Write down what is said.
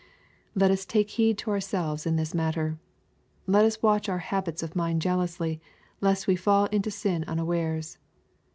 Let us take heed to ourselves in this matter. Let us watch our habits of mind jealously, lest we fall into sin unawares.